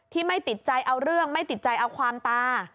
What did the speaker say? ไม่ติดใจเอาเรื่องไม่ติดใจเอาความตา